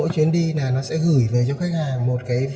thông tin là chặng đường và thời gian và số tiền